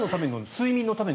睡眠のために？